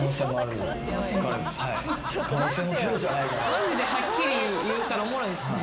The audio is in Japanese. マジではっきり言うからおもろいっすね。